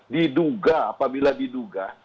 diduga apabila diduga